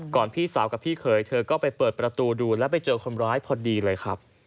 พี่สาวกับพี่เขยเธอก็ไปเปิดประตูดูแล้วไปเจอคนร้ายพอดีเลยครับ